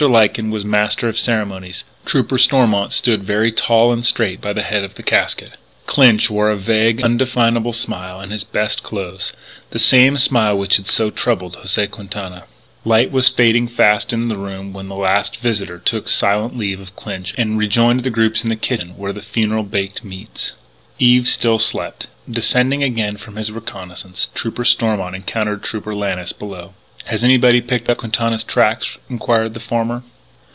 Lyken was master of ceremonies; Trooper Stormont stood very tall and straight by the head of the casket. Clinch wore a vague, indefinable smile and his best clothes, that same smile which had so troubled José Quintana. Light was fading fast in the room when the last visitor took silent leave of Clinch and rejoined the groups in the kitchen, where were the funeral baked meats. Eve still slept. Descending again from his reconnaissance, Trooper Stormont encountered Trooper Lannis below. "Has anybody picked up Quintana's tracks?" inquired the former.